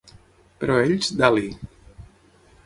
Però ells da-li.